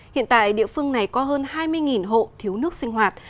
hiện tại địa phương này có hơn hai mươi hộ thiếu nước sinh hoạt